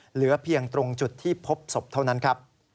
เหลือเพียงตรงจุดที่พบศพเท่านั้นครับ